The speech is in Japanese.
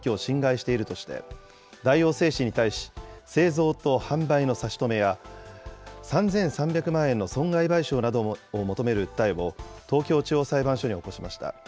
日本製紙クレシアはこの製品が自社の特許を侵害しているとして、大王製紙に対し、製造と販売の差し止めや、３３００万円の損害賠償などを求める訴えを、東京地方裁判所に起こしました。